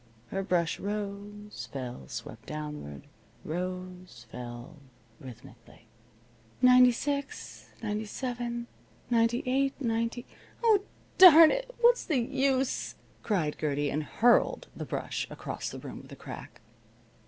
Her brush rose, fell, swept downward, rose, fell, rhythmically. "Ninety six, ninety seven, ninety eight, ninety Oh, darn it! What's the use!" cried Gertie, and hurled the brush across the room with a crack.